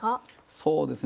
そうですね